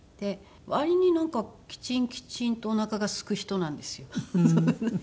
割になんかきちんきちんとおなかがすく人なんですよ。